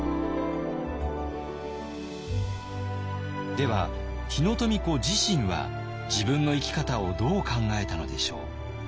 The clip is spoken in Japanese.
では日野富子自身は自分の生き方をどう考えたのでしょう？